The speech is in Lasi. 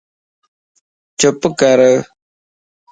چپ ڪَر